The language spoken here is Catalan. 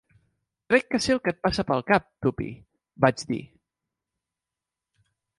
"Crec que sé el que et passa pel cap, Tuppy", vaig dir.